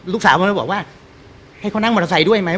สาวมันมาบอกว่าให้เขานั่งมอเตอร์ไซค์ด้วยไหม